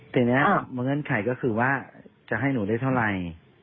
แต่เนี่ยเมื่อกั้นขายก็คือว่าจะให้หนูได้เท่าไร